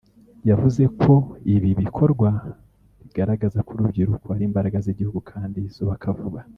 yavuze ko ibi bikorwa bigaragaza ko urubyiruko ari imbaraga z’Igihugu kandi zubaka vuba